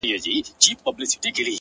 o كله توري سي،